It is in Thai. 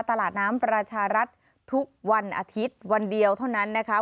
ตลาดน้ำประชารัฐทุกวันอาทิตย์วันเดียวเท่านั้นนะคะ